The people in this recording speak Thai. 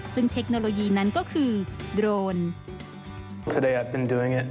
ซึ่งเทคโนโลยีนั้นก็คือโดรน